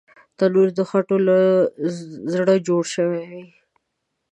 تنور د خټو له زړه جوړ شوی وي